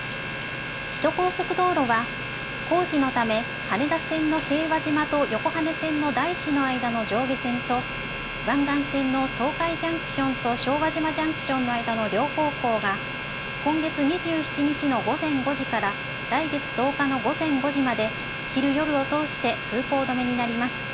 首都高速道路は、工事のため羽田線の平和島と横羽線の大師の間の上下線と、湾岸線の東海ジャンクションと昭和島ジャンクションの間の両方向が、今月２７日の午前５時から、来月１０日の午前５時まで昼夜を通して通行止めになります。